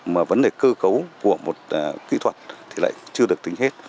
mà vấn đề cơ cấu của một kỹ thuật thì lại chưa được tính hết